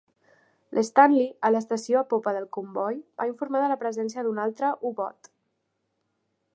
L'Stanley, a l'estació a popa del comboi, va informar de la presència d'un altre U-boot.